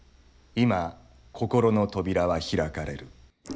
今心の扉は開かれる。